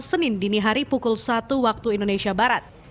senin dini hari pukul satu waktu indonesia barat